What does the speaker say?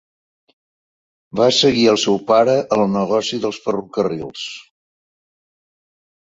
Va seguir el seu pare al negoci dels ferrocarrils.